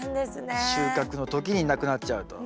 収穫の時になくなっちゃうと。